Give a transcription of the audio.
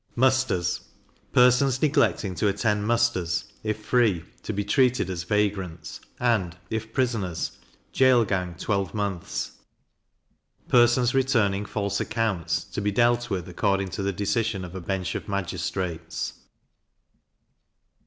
Musters. Persons neglecting to attend musters, if free, to be treated as vagrants; and, if prisoners, jail gang twelve months. Persons returning false accounts, to be dealt with according to the decision of a bench of magistrates.